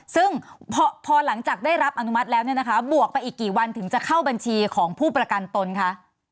ซึ่งพอหลังจากได้รับอนุมัติแล้วเนี่ยนะคะบวกไปอีกกี่วันถึงจะเข้าบัญชีของผู้ประกันตนคะ